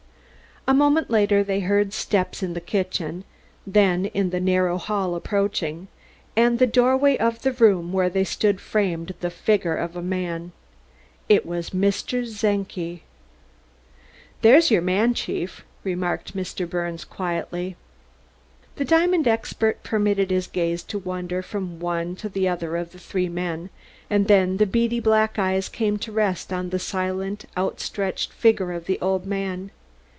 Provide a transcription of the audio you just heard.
A moment later they heard steps in the kitchen, then in the narrow hall approaching, and the doorway of the room where they stood framed the figure of a man. It was Mr. Czenki. "There's your man, Chief," remarked Mr. Birnes quietly. The diamond expert permitted his gaze to wander from one to another of the three men, and then the beady black eyes came to rest on the silent, outstretched figure of the old man.